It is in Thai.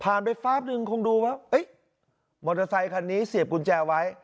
ไปฟาบนึงคงดูว่ามอเตอร์ไซคันนี้เสียบกุญแจไว้